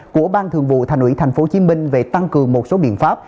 của ban thường vụ thành ủy tp hcm về tăng cường một số biện pháp